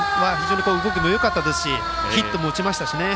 動きもよかったですしヒットも打ちましたし。